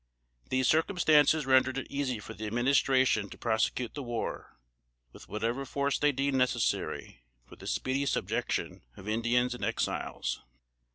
These circumstances rendered it easy for the Administration to prosecute the war, with whatever force they deemed necessary for the speedy subjection of Indians and Exiles.